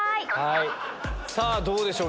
さぁどうでしょう？